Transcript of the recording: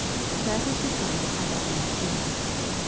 That is the time for harvesting the fruit.